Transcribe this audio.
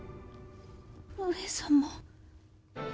上様。